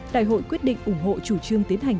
đại hội quyết định ủng hộ chủ trương tiến hành